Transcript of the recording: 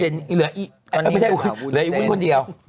เหลืออีไม่ใช่อีเหลืออีวุ้นคนเดียว